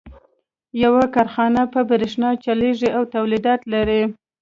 يوه کارخانه په برېښنا چلېږي او توليدات لري.